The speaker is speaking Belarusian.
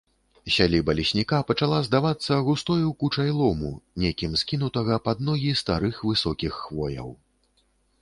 Сяліба лесніка пачала здавацца густою кучай лому, некім скінутага пад ногі старых высокіх хвояў.